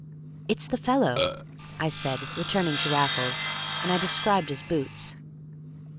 "It's the fellow," I said, returning to Raffles, and I described his boots.